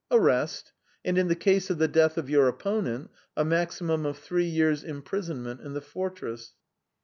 "Arrest, and in the case of the death of your opponent a maximum of three years' imprisonment in the fortress."